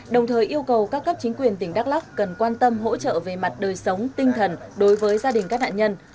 đồng thời yêu cầu các cấp chính quyền tỉnh đắk lắc cần quan tâm hỗ trợ về mặt đời sống tinh thần đối với gia đình các nạn nhân